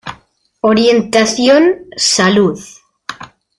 Orientación: Salud.